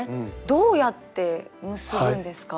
どうやって結ぶんですか？